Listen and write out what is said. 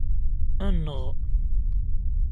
Enɣ!